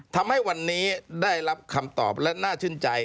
ทำให้วันนี้ได้รับคำตอบและน่าชื่นใจ